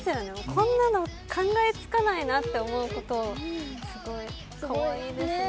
こんなの考えつかないなと思うこと、すごいかわいいですね。